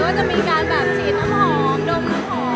ก็จะมีการแบบฉีดน้ำหอมดมน้ำหอม